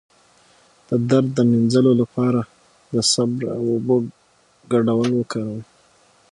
د درد د مینځلو لپاره د صبر او اوبو ګډول وکاروئ